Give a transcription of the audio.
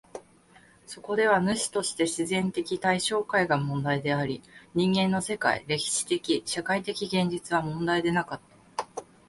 そこでは主として自然的対象界が問題であり、人間の世界、歴史的・社会的現実は問題でなかった。